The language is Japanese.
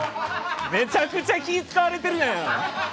めちゃくちゃ気を使われてるじゃん。